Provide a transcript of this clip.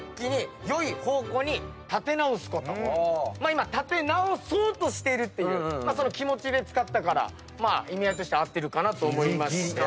今立て直そうとしているっていうその気持ちで使ったから意味合いとしては合ってるかなと思いました。